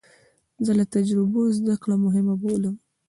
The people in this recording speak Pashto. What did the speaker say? زه له تجربو زده کړه مهمه بولم.